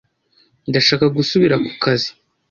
Ndashaka gusubira ku kazi